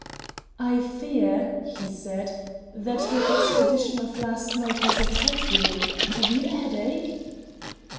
"I fear," he said, "that your expedition of last night has upset you. Have you a headache?"